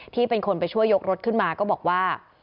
ที่เป็นคนไปช่วยยกรถขึ้นมาก็บอกว่า